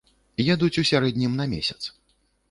Едуць у сярэднім на месяц.